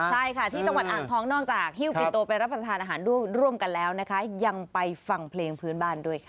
ใช่ค่ะที่จังหวัดอ่างทองนอกจากฮิ้วปินโตไปรับประทานอาหารร่วมกันแล้วนะคะยังไปฟังเพลงพื้นบ้านด้วยค่ะ